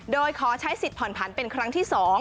โดยขอใช้สิทธิผ่อนผันเป็นครั้งที่๒